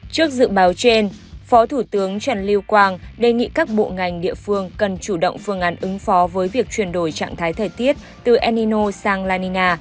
trước dự báo trên phó thủ tướng trần lưu quang đề nghị các bộ ngành địa phương cần chủ động phương án ứng phó với việc chuyển đổi trạng thái thời tiết từ enino sang la nina